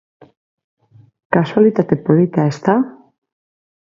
Kasualitate polita, ezta?